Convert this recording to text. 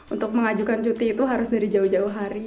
untuk mengajukan cuti itu harus dari jauh jauh hari